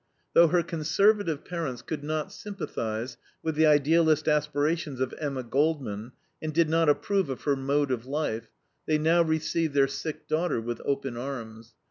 Though her conservative parents could not sympathize with the idealist aspirations of Emma Goldman and did not approve of her mode of life, they now received their sick daughter with open arms.